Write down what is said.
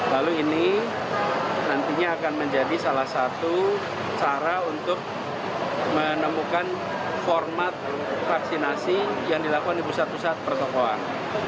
lalu ini nantinya akan menjadi salah satu cara untuk menemukan format vaksinasi yang dilakukan di pusat pusat pertokohan